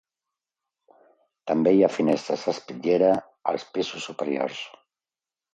També hi ha finestres d’espitllera als pisos superiors.